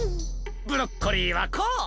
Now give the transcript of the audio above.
ブロッコリーはこう！